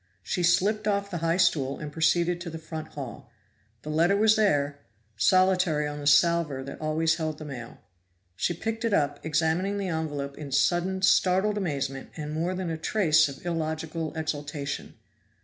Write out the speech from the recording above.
She slipped off the high stool and proceeded to the front hall. The letter was there, solitary on the salver that always held the mail. She picked it up, examining the envelope in sudden startled amazement and more than a trace of illogical exultation.